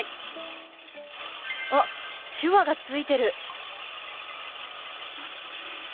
あっ手話がついてる！